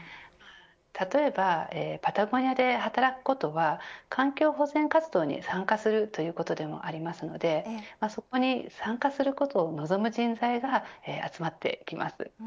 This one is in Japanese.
例えばパタゴニアで働くことは環境保全活動に参加するということでもありますのでそこに参加することを望む人材が集まってきます。